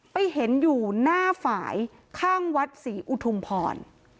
ไปเห็นอยู่หน้าฝ่ายข้างวัดศรีอุทุมพร